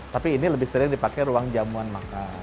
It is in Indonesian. tapi ini lebih sering dipakai ruang jamuan makan